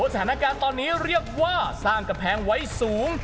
สถานการณ์ตอนนี้เรียกว่าสร้างกำแพงไว้สูง